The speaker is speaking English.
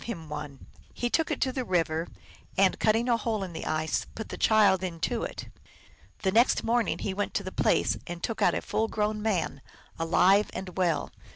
him one : he took it to the river, and, cutting a hole in the ice, put the child into it. The next morning he went to the place, and took out a full grown man, alive and well.